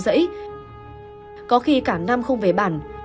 dẫy có khi cả năm không về bản